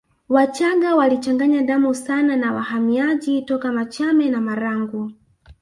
Wachaga walichanganya damu sana na wahamiaji toka Machame na Marangu